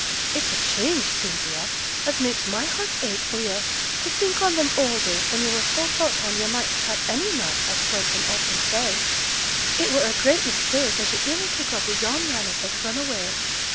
It's a change, Sylvia, as makes my heart ache for yo', to think on them old days when yo' were so thought on yo' might have had any man, as Brunton often says; it were a great mistake as yo' iver took up wi' yon man as has run away.